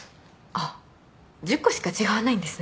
あっ１０個しか違わないんですね。